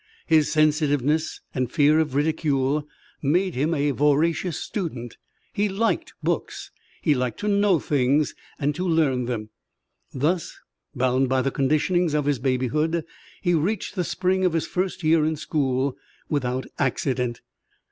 His sensitiveness and fear of ridicule made him a voracious student. He liked books. He liked to know things and to learn them. Thus, bound by the conditionings of his babyhood, he reached the spring of his first year in school without accident.